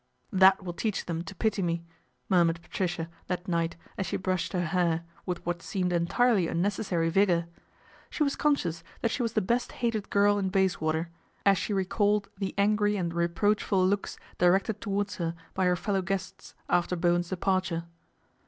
" That will teach them to pity me !" mur mured Patricia that night as she brushed her hair with what seemed entirely unnecessary vigour. She was conscious that she was the best hated girl in Bayswater, as she recalled the angry and reproachful looks directed towards her by her fellow guests after Bowen's departure.